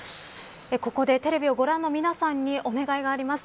ここで、テレビをご覧の皆さんにお願いがあります。